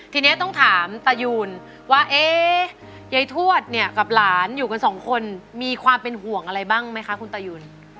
ทีนี้ต้องถามตายูนว่าเอ๊ยายทวดเนี่ยกับหลานอยู่กันสองคนมีความเป็นห่วงอะไรบ้างไหมคะคุณตายูน